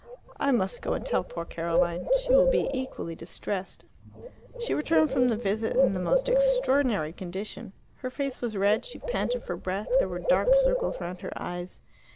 I must go and tell poor Caroline. She will be equally distressed." She returned from the visit in the most extraordinary condition. Her face was red, she panted for breath, there were dark circles round her eyes.